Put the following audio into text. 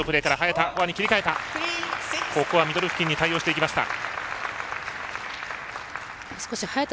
ここはミドル付近で対応していきました。